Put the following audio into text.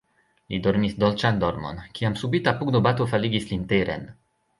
Li dormis dolĉan dormon, kiam subita pugnobato faligis lin teren.